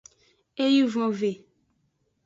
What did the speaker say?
Ewivonve.